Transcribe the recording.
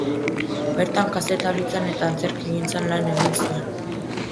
Bertan kazetaritzan eta antzerkigintzan lan egin zuen.